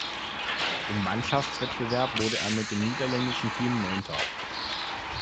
Im Mannschaftswettbewerb wurde er mit dem niederländischen Team Neunter.